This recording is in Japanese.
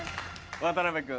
渡辺君。